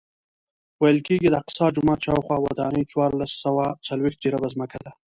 ویل کېږي د اقصی جومات شاوخوا ودانۍ څوارلس سوه څلوېښت جریبه ځمکه ده.